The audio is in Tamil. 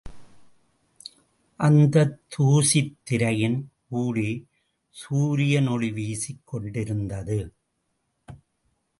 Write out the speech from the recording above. அந்தத் தூசித் திரையின் ஊடே சூரியன் ஒளி வீசிக் கொண்டிருந்தது.